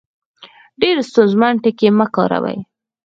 ډېر ستونزمن ټکي مۀ کاروئ